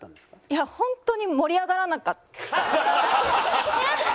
いや本当に盛り上がらなかった。